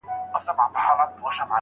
مړ سړی او ږیره په ګڼ ډګر کي لیدل کیږي.